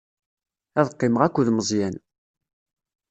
Ad qqimeɣ akked Meẓyan.